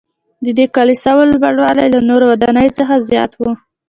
ددې کلیساوو لوړوالی له نورو ودانیو څخه زیات و.